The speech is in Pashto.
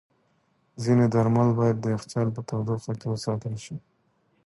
ځینې درمل باید د یخچال په تودوخه کې وساتل شي.